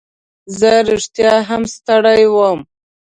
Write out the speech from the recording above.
زه رښتیا هم ستړی وم.